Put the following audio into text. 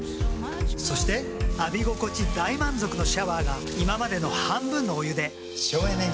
そして浴び心地大満足のシャワーが今までの半分のお湯で省エネに。